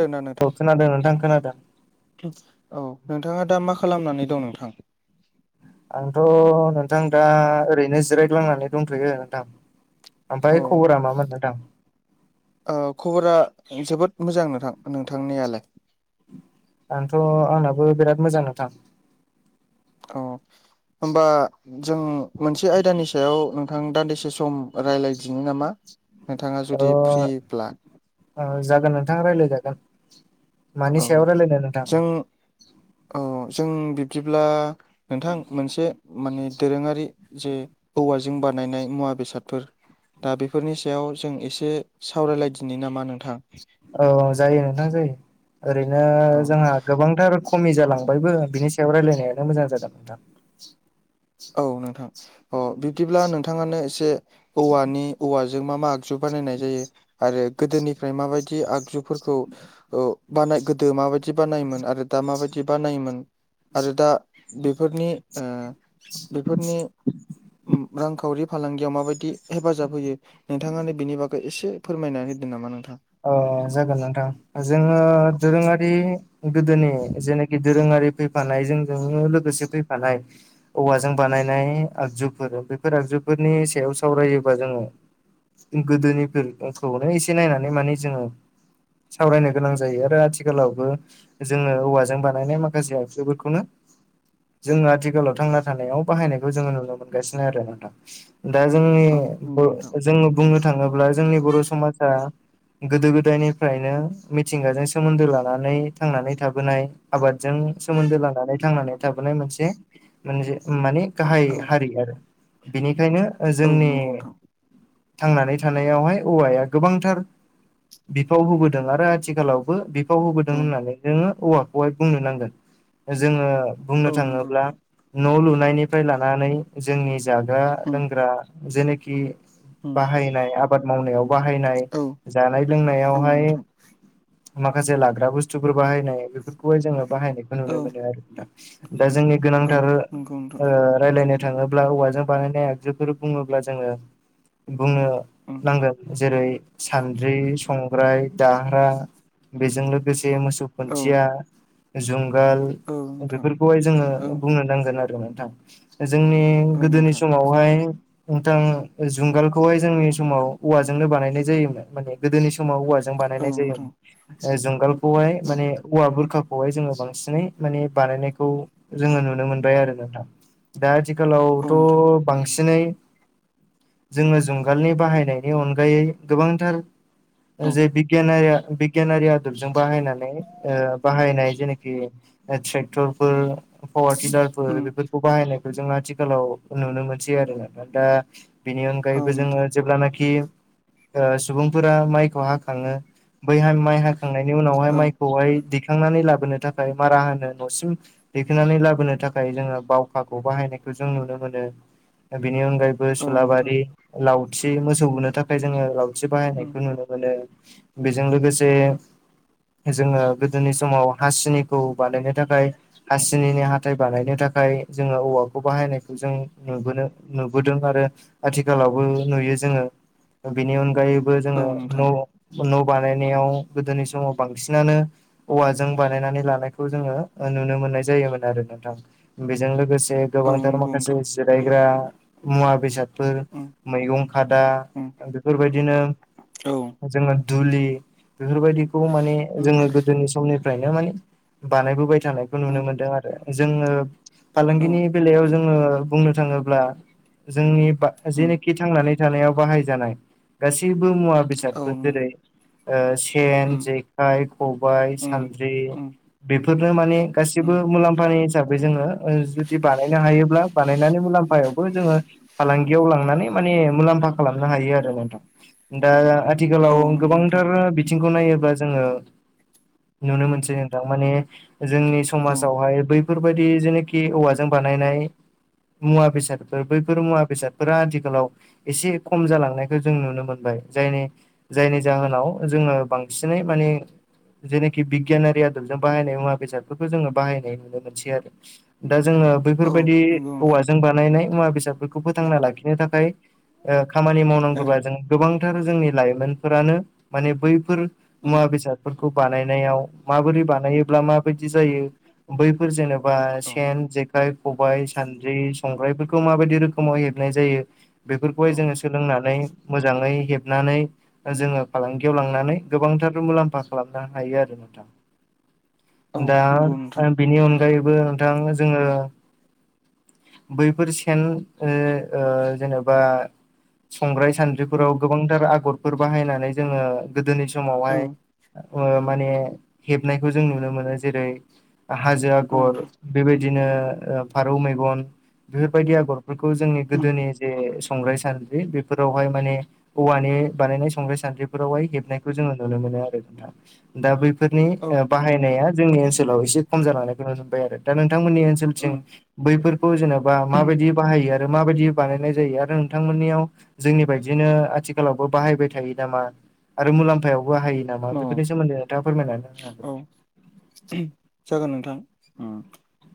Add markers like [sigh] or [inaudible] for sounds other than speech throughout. दोनो औ खोनादों खोनादों नोंथां। औ नोंथाङा दा मा खालामनानै दं नोंथां? आंथ' नोंथां दा ओरैनो जिरायग्लांनानै दंथ'यो नोंथां। औ ओमफ्राय खबरा मा मोन नोंथां। औ खबरा जोबोद मोजां नोंथां नोंथांनियालाय? आंथ' आंनाबो बिराद मोजां नोंथां। अ होनबा। जों मोनसे आयदानि सायाव नोंथां दान्दिसे सम रायज्लायदिनि नामा। नोंथाङा जुदि फ्रिब्ला औ जागोन नोंथां रायलायजागोन। औ जों औ जों बिब्दिब्ला नोंथां मोनसे माने दोरोङारि जे औवाजों बानायनाय मुवा बेसादफोर दा बेफोरनि सायाव जों एसे सावरायलायदिनो नामा नोंथां। औ जायो नोंथां जायो ओरैनो औ जोंहा गोबांथार खमि जालांबायबो बिनि सायाव रायलायनायानो मोजां जागोन नोंथां। औ नोंथां अ बिब्दिब्ला नोंथाङानो एसे औवानि औवाजों मा मा आगजु बानायनाय जायो। आरो गोदोनिफ्राय माबायदि आगजुफोरखौ औ बानाय गोदो माबायदि बानायोमोन आरो दा माबायदि बानायोमोन आरो दा बेफोरनि ओ बेफोरनि रांखावरि फालांगियाव माबायदि हेफाजाब होयो। नोंथाङानो बिनि बागै एसे फोरमायनानै होदों नामा नोंथां। अ जागोन नोंथां जोङो दोरोङारि गोदोनि जेनाखि दोरोङारि फैफानाय जोंजोंनो लोगोसे फैफानाय। औवाजों बानायनाय आगजुफोर बेफोर आगजुफोरनि सायाव सावरायोबा जोङो गोदोनिफोरखौनो एसे नायनानै माने जोङो सावरायनो गोनां जायो आरो आथिखालावबो जोङो औवाजों बानायनाय माखासे आगजुफोरखौनो जोङो आथिखालाव थांना थानायाव बाहायनायखौ जोङो नुनो मोनगासिनो आरो नोंथां। दा जोंनि औ नंगौ नोंथां जोङो बुंनो थाङोब्ला जोंनि बर' समाजा गोदो गोदायनिफ्रायनो मिथिंगाजों सोमोन्दो लानानै थांनानै थाबोनाय आबादजों सोमोन्दो लानानै थांनानै थाबोनाय मोनसे मोन माने गाहाय औ हारि आरो बिनिखायनो औ जोंनि नंगौ नोंथां थांनानै थानायावहाय औवाया गोबांथार। बिफाव होबोदों आरो आथिखालावबो बिफाव होबोदों उम होननानै जोंङो औवाखौहाय बुंनो नांगोन। जोङो बुंनो औ नंगौ थाङोब्ला नोंथां न' लुनायनिफ्राय लानानै। जोंनि जाग्रा उम लोंग्रा जेनोखि उम बाहायनाय आबाद मावनायाव। बाहायनाय औ जानाय औ लोंनायावहाय नोंथां माखासे लाग्रा बुस्थुफोर बाहायनाय बेफोरखौहाय जोङो बाहायनायखौ औ नुनो मोनो आरो दा। दा जोंनि औ गोनांथार नंगौ नोंथां ओ रायलायनो थाङोब्ला औवाजों बानायनाय आगजुफोर बुङोब्ला जोङो बुंनो उम नांगोन जेरै सान्द्रि संग्राय दाह्रा बेजों लोगोसे मोसौ औ खुन्थिया जुंगाल औ नोंथां बेफोरखौहाय जोङो औ बुंनो नांगोन आरो नोंथां जोंनि औ गोदोनि नोंथां समावहाय नोंथां जुंगालखौहाय जोंनि समाव औवाजोंनो बानायनाय जायोमोन माने गोदोनि समाव औवाजों औ बानायनाय नोंथां जायोमोन ओ जुंगालखौहाय औ माने औवा बुरखा खौहाय जोङो बांसिनै माने बानायनायखौ जोङो नुनो मोनबाय आरो नोंथां। दा आथिखालाव औ नोंथां थ'। बांसिनै जोङो जुंगालनि बाहायनायनि अनगायै गोबां थोर औ जे बिगियानारिया बिग यानारि आदबजों बाहायनानै ओ बाहायनाय जेनाखि ओ थ्रेक्टरफोर पावारटिलार फोर बो‌‌ उम बेफोरखौ बाहायनायखौ जों आथिखालाव नुनो मोनसै आरो दा बिनि औ अनगायैबो नोंथां जोङो जेब्लानाखि ओ सुबुंफोरा माइखौ हाखाङो। बैहाय माइ हाखांनायनि उनावहाय औ माइखौहाय‌‌ दि खांनानै लाबोनो थाखाय मारा होनो न'सिम दैखोननानै लाबोनो थाखाय जोङो बावखाखौ बाहायनायखौ जों नुनो मोनो। बेनि अनगायै बो औ नोंथां सुलाबारि लावथि मोसौ बुनो थाखाय जोङो लावथि उम बाहायनायखौ नुनो मोनो बेजों लोगोसे जोङो गोदोनि समाव हासिनिखौ बानायनो थाखाय हासिनिनि हाथाय बानायनो थाखाय जोङो औवाखौ बाहायनायखौ जों नो नुबोनो नुबोदों आरो आथिखालावबो नुयो जोङो। बेनि अनगायैबो औ जोङो न नोंथां न' बानायनायाव गोदोनि समाव बांसिनानो औवाजों बानायनानै लानायखौ जोङो ओ नुनो मोननाय जायोमोन आरो नोंथां बेजों लोगोसे औ गोबांथार नंगौ माखासे नोंथां जिरायग्रा मुवा बेसाद फोर उम मैगं खादा उम बेफोरबायदिनो औ जोङो दुलि बेफोरबायदिखौ माने उम जोङो गोदोनि समनिफ्राय फ्रायनो माने बानायबोबाय थानायखौ नुनो उम मोनदों आरो। जोङो औ फालांगिनि बेलायाव जों ङो बुंनो थाङोब्ला जोंनि बा उम जेनोखि थांनानै थानायाव बाहायजानाय गासैबो मुवा औ बेसादफोर उम जेरै- ओ सेन उम जे खाइ खबाय सानद्रि उम बेफोरनो माने गासिबो उम मुलाम्फानि हिसाबै जोङो ओ जुदि बानायनो हायोब्ला बानायनानै मुलाम्फायावबो जोङो फालांगियाव लांनानै माने मुलाम्फा खालामनो हायो आरो नोंथां दा औ आथिखालाव नंगौ नोंथां गोबांथार बिथिंखौ नायोब्ला जोङो नुनो उम मोनसै नोंथां। माने जोंनि औ समाजावहाय बै बैफोरबायदि जेनाखि औवाजों बानायनाय मुवा बेसादफोर बैफोर मुवा बेसादफोरा आथिखालाव एसे खम जालांनायखौ जों नुनो मोनो मोनबाय जायनि जायनि जाहोनाव जोङो बांसिनै माने जेनेखि बिगियानारि आदबजों बाहायनाय मुवा बेसादफोरखौ जोङो बाहायनाय नुनो मोनसै आरो दा जोङो औ बेैफोरबादि नंगौ नोंथां औवाजों बानायनाय मुवा बेसादफोरखौ फोथांना लाखिनो थाखाय ओ खामानि मावनो औ नांगौबा जों गोबांथार जोंनि लाइमोनफोरानो माने बैफोर उम मुवा बेसाद फोरखौ बानायनायाव माबोरै बानायोब्ला माबायदि जायो बैफोर जेनेबा बा औ सेन जेखाइ खबाइ सानद्रि संग्रायफोरखौ माबायदि रोखोमाव हेबनाय जायो बेफोरखौहाय औ जोङो सोलोंनानै मोजाङै हेबनानै जोङो फालांगियाव लांनानै गोबांथार मुलाम्फा खालामनो हायो आरो नोंथां औ दा नंगौ नोंथां ओ बिनि अनगायैबो नोंथां जोङो बैफोर सेन ओ ओ जेनेबा संग्राय सान उम बेफोराव गोबांथार आगरफोर बाहायनानै जोङो गोदोनि औ समावहाय ओ माने हेबनायखौ जों नुनो मोनो जेरै हाजो आगर नोंथां बेबायदिनो फारौ मेगन बेफोरबायदि आगरफोरखौ जोंनि उम गोदोनि जे संग्राय सान्द्रि बेफोराव वहाय माने औवानि बानायनाय संग्राय सानद्रिफोरावहाय हेबनायखौ जोङो नुनो मोनो आरो नोंथां दा बैफोरनि औ नंगौ नोंथां बाहायनाया जोंनि ओनसोलाव एसे खम जांनायखौ नुनो मोनबाय आरो दा नोंथांमोननि ओनसोल थिं उम बैफोरखौ जेनेबा माबायदि बाहायो आरो माबायदि बानायनाय जायो आरो नोंथांमोननियाव जोंनि बायदिनो आथिखालावबो बाहायबाय थायो नामा? आरो मुलाम्फायावबो बाहायो नामा औ बेफोरनि सोमोन्दै नोंथाङा फोरमायनानै होनो हागोन औ नामा? जागोन नोंथां ओम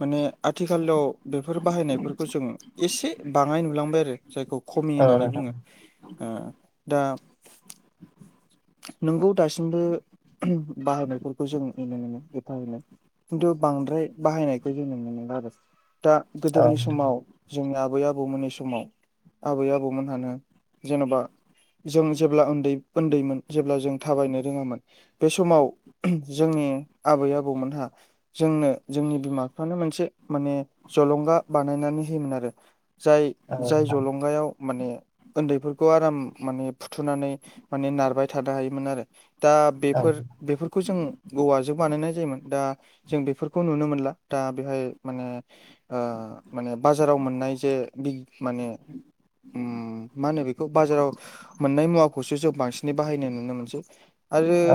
माने आथिखालाव बेफोर बाहायनायफोरखौ जों एसे बाङाय नुलांबाय आरो जायखौ खमि औ होननानै नोंथां बुङो ओ दा नोंगौ दासिमबो बाहायनायफोरखौ जों नुनो मोनो [unintelligible] खिन्थु बांद्राय बाहायनायखौ जों नुनो मोनला आरो दा गोदोनि समाव जोंनि आबै आबौमोननि समाव आबै आबौमोनहानो जेन'बा जों जेब्ला उन्दै उन्दैमोन जेब्ला जों थाबायनो रोङोमोन बे समाव जोंनि आबै आबौमोनहा जोंनो जोंनि बिमा बिफानो मोनसे माने जलंगा बानायनानै होयोमोन आरो जाय औ जाय जलंगायाव माने उन्दैफोरखौ आराम माने फुथुनानै माने नारबाय थानो हायोमोन आरो दा बेफोर बेफोरखौ जों औवाजों बानायनाय जायोमोन दा जों बेफोरखौ नुनो मोनला दा बेहाय माने ओ माने बाजाराव मोननाय जे बि माने ओम मा होनो बेखौ बाजाराव मोननाय मुवाखौसो जों बांसिनै बाहायनाय नुनो मोनसै आरो औ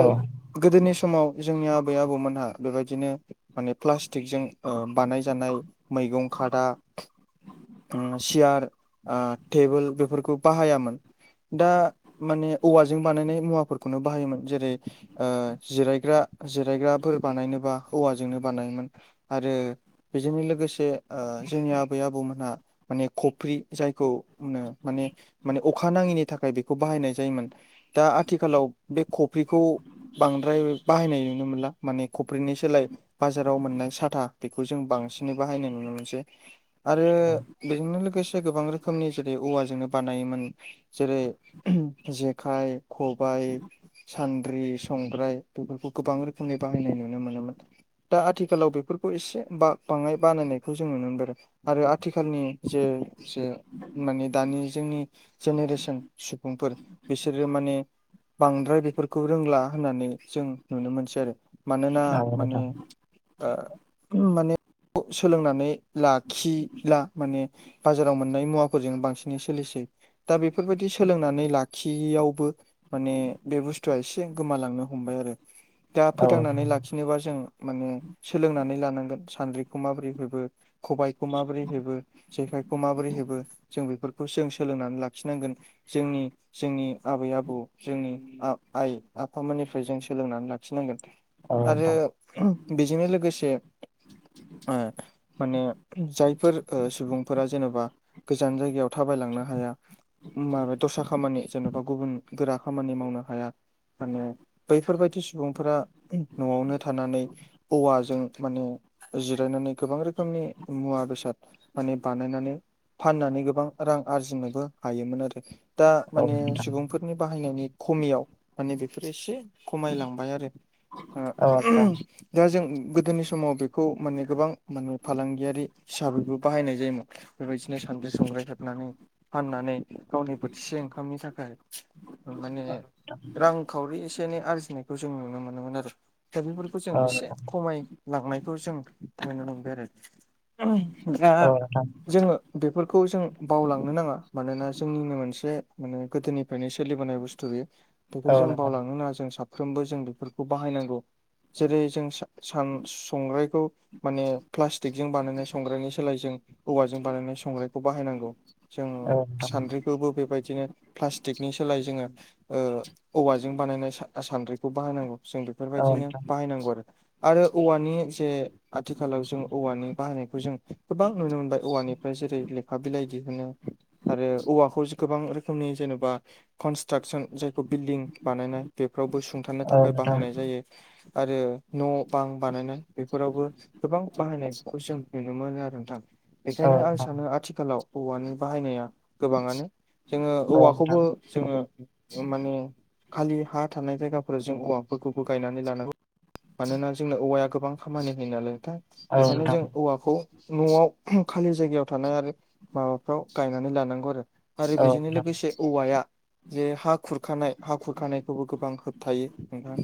गोदोनि समाव जोंनि आबै आबौमोनहा बेबायदिनो माने प्लास्टिकजों ओ बानायजानाय मैगं खादा ओम सियार ओ टेबोल बेफोरखौ बाहायामोन दा माने औवाजों बानायनाय मुवाफोरखौनो बाहायोमोन जेरै ओ जिरायग्रा जिरायग्राफोर बानायनोबा हौवाजोंनो बानायोमोन आरो बेजोंनो लोगोसे ओ जोंनि आबै आबौमोनहा माने खफ्रि जायखौ होनो माने माने अखा नाङिनि थाखाय बेखौ बाहायनाय जायोमोन दा आथिखालाव बे खफ्रिखौ बांद्राय बाहायनाय नुनो मोनला माने कफ्रिनि सोलाय बाजाराव मोननाय साथा बेखौ जों बांसिनै बाहायनाय नुनो मोनसै आरो बेजोंनो लोगोसे गोबां रो खोमनि जेरै औवाजोंनो बानायोमोन जेरै जेखाइ खबाइ सान्द्रि संग्राय बेफोरखौ गोबां रोखोमनि बाहायनाय नुनो मोनोमोन दा आथिखालाव बेफोरखौ एसे बा बाङाय बानायनायखौ जों नुनो मोनबाय आरो आरो आथिखालनि जे जे माने दानि जोंनि जेनेरेसन सुबुंफोर बिसोरो माने बांद्राय बेफोरखौ रोंला होननानै जों नुनो मोनसै आरो मानोना औ माने नोंथां माने ओ माने खौ सोलोंनानै लाखिला माने बाजाराव मोननाय मुवाफोरजों बांसिनै सोलिसै दा बेफोरबायदि सोलोंनानै लाखियैयावबो माने बे बुस्थुआ एसे गोमालांनो हमबाय आरो दा औ फोथांनानै नोंथां ला खिनोबा जों माने सोलोंनानै लानांगोन सानद्रिखौ माबोरै हेबो खबाइखौ माबोरै हेबो जेखायखौ माबोरै हेबो जों बेफोरखौ जों सोलोंनानै लाखिनांगोन जोंनि जोंनि आबै आबौ जोंनि आ-आइ आफामोननिफ्राय जों सोलोंनानै लाखिनांगोन औ आरो नोंथां बेजोंनो लोगोसे ओ माने जायफोर ओ सुबुंफोरा जेनेबा गोजान जायगायाव थाबायलांनो हाया माबा दस्रा खामानि जेन'बा गुबुन गोरा खामानि मावनो हाया माने बैफोरबायदि सुबुंफोरा न'आवनो थानानै औवाजों माने जिरायनानै गोबां रोखोमनि मुवा बेसाद माने बानायनानै फाननानै गोबां रां आरजिनोबो हायोमोन आरो दा औ माने नोंथां सुबुंफोर बेनि बाहायनायनि खमियाव माने बेफोरो एसे खमायलांबाय आरो। आ औ नोंथां दा जों गोदोनि समाव बेखौ माने गोबां माने फालांगियारि हिसाबैबो बाहायनाय जायोमोन। बेबायदिनो सान्द्रि संग्राय हेबनानै फाननानै गावनि बोथिसे ओंखामनि थाखाय माने रांखावरि एसे एनै आरजिनायखौ जों नुनो मोनोमोन आरो। दा बेफोरखौ जों औ एसे नोंथां खमायलांनायखौ जों नुनो मोनबाय आरो। दा जोङो बेफोरखौ जों बावलांनो नाङा मानोना जोंनिनो मोनसे माने गोदोनिफ्रायनो सोलिबोनाय बुस्थु बे बेखौ औ जों नोंथां औ नोंथां औ नोंथां बावलांनो नाङा जों साफ्रोमबो जों बेफोरखौ बाहायनांगौ। जेरै जों सान-संग्रायखौ माने प्लास्टिकजों बानायनाय संग्रायनि सोलायजों औवाजों बानायनाय संग्रायखौ बाहायनांगौ। जोङो सान्द्रिखौबो बेबायदिनो प्लास्टिकनि सोलाय जोङो औवाजों बानायनाय सान्द्रिखौ बाहायनांगौ जों औ नोंथां औ नोंथां औ नोंथां औ नोंथां औ नोंथां औ नोंथां बेफोरबायदिनो औ नोंथां बाहायनांगौ आरो। आरो औवानि जे आथिखालाव जों औवानि बाहायनायखौ जों गोबां नुनो मोनबाय औवानिफ्राय जेरै लेखा बिलाइ दिहुनो। आरो औवाखौ गोबां रोखोमनि जेनेबा कनस्ट्राकसन जायखौ बिल्डिं बानायनाय बेफोरावबो सुंथानो थाखाय बाहायनाय जायो, आरो न' बां बानायनाय बेफोरावबो गोबां बाहायनायफोरखौ जों नुनो मोनो आरो नोंथां। बेखायनो आं सानो आथिखालाव औवानि बाहायनाया गोबाङानो जोङो औवाखौबो जोङो माने खालि हा थानाय जायगाफोराव जों हौवाफोरखौबो गायनानै लानांगौ। मानोना जोंनो औवाया गोबां खामानि होयो नालायथाय बेखायनो जों औवाखौ न'आव खालि जायगायाव थानाय आरो माबाफ्राव गायनानै लानांगौ आरो। आरो बेजोंनो लोगोसे औवाया जे हा खुरखानाय हा खुरखानायखौबो गोबां होबथायो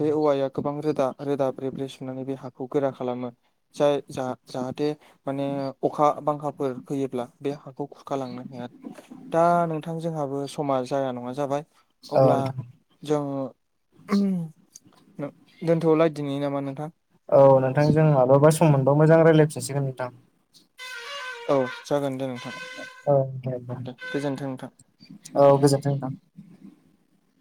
बे औवाया गोबां रोदा रोदा ब्रे ब्रे सुनानै बे हाखौ गोरा खालामो जाय जा जाहाथे माने अखा बांखाफोर फैयोब्ला बे हाखौ खुरखालांनो हाया। दा नोंथां जोंहाबो समा जाया नङा जाबाय अब्ला जोङो दोनथ'लायदिनो नामा नोंथां? औ नोंथां जों मालाबा सम मोनबा मोजां रायलायफिनसिगोन नोंथां। औ जागोन दे नोंथां। औ दे [unintelligible] गोजोन्थों नोंथां। औ गोजोन्थों नोंथां।